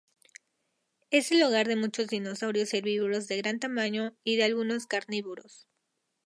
Es el hogar de muchos dinosaurios herbívoros de gran tamaño, y de algunos carnívoros.